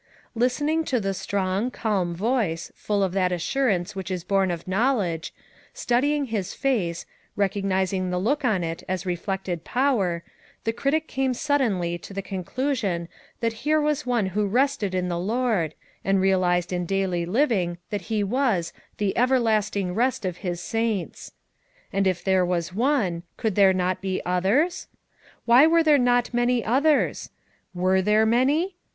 Listening to the strong, calm voice, full of that assurance which is born of knowledge, studying his face, recognizing the look on it as FOUR MOTHERS AT CHAUTAUQUA 137 reflected power, the critic came suddenly to the conclusion that here was one who rested in the Lord, and realized in daily living that He was "the everlasting rest of his saints." And if there was one, could there not be others? Why were there not many others? Were there many?